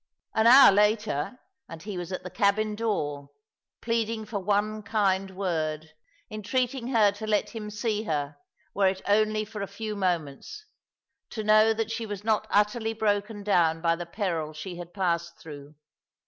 An hour later, and he was at the cabin door, pleading for one kind word, entreating her to let him see her, were it only for a few moments, to know that she was not utterly broken down by the peril she had passed through.